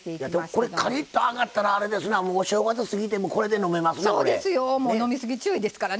これカリッと揚がったらお正月過ぎてもこれで飲めますね。